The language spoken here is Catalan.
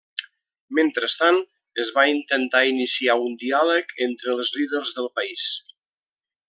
Mentrestant, es va intentar iniciar un diàleg entre els líders del país.